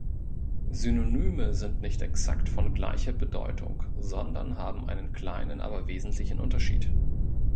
Synonyme sind nicht exakt von gleicher Bedeutung, sondern haben einen kleinen, aber wesentlichen Unterschied.